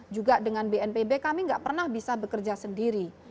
juga dengan bnpb kami tidak pernah bisa bekerja sendiri